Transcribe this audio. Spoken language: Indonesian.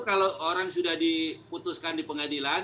kalau orang sudah diputuskan di pengadilan